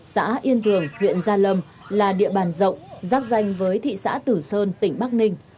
xã yên thường huyện gia lâm là địa bàn rộng giáp danh với thị xã tử sơn tỉnh bắc ninh